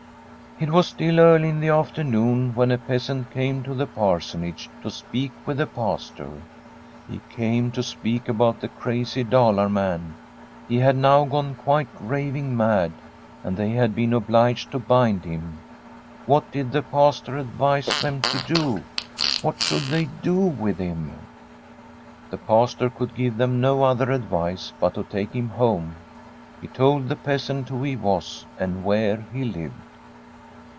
It was still early in the afternoon when a peasant came to the Parsonage to speak with the Pastor. He came to speak about the crazy Dalar man. He had now gone quite raving mad, and they had been obliged tq bind him. What did the Pastor advise them to do? What should they do with him ? The Pastor could give them no other advice but to take him home. He told the peasant who he was, and where he lived.